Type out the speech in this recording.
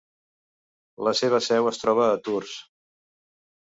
La seva seu es troba a Tours.